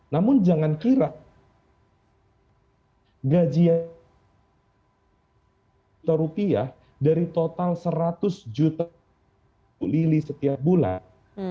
namun jangan kira gajian rp seratus juta dari total seratus juta ibu lili setiap bulan